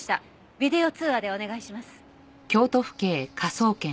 ビデオ通話でお願いします。